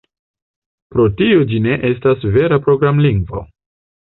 Pro tio ĝi ne estas vera programlingvo.